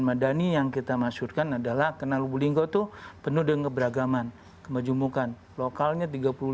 madani yang kita masukkan adalah kenal wulinggo itu penuh dengan keberagaman kemajumukan lokalnya